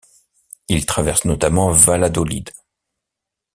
Il traverse notamment Valladolid.